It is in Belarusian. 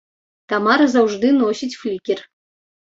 Тамара заўжды носіць флікер.